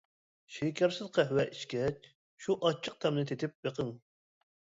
شېكەرسىز قەھۋە ئىچكەچ، شۇ ئاچچىق تەمنى تېتىپ بېقىڭ.